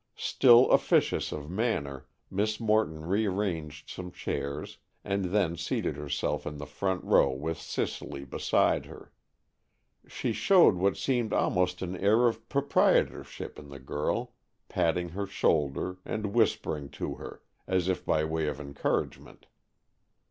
Still officious of manner, Miss Morton rearranged some chairs, and then seated herself in the front row with Cicely beside her. She showed what seemed almost an air of proprietorship in the girl, patting her shoulder, and whispering to her, as if by way of encouragement.